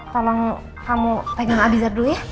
tolong kamu pegang abizar dulu